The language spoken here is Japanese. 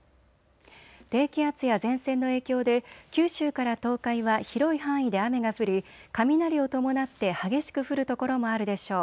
低気圧や前線の影響で九州から東海は広い範囲で雨が降り雷を伴って激しく降る所もあるでしょう。